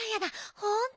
ほんとだ。